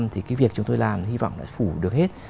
thì việc chúng tôi làm hy vọng là phủ được hết